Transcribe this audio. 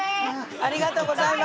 ありがとうございます。